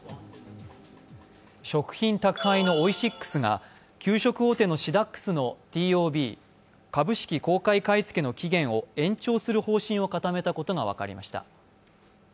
食品宅配のオイシックスが給食大手のシダックスのＴＯＢ＝株式公開買い付けの期限を延長する方針を固めたことが分かりました。